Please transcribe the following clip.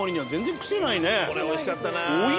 これ美味しかったなぁ。